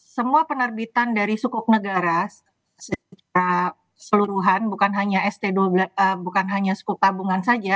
semua penerbitan dari sukuk negara secara seluruhan bukan hanya sukuk tabungan saja